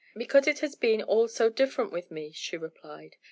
"Because it has been all so different with me," she replied.